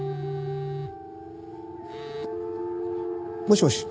もしもし？